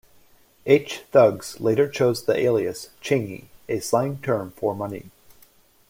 H Thugz later chose the alias Chingy, a slang term for money.